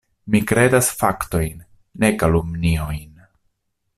Mi kredas faktojn, ne kalumniojn.